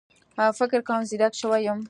فکر کوم ځيرک شوی يم